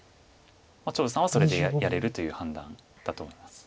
張栩さんはそれでやれるという判断だと思います。